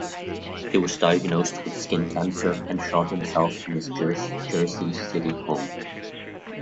He was diagnosed with skin cancer and shot himself in his Jersey City home.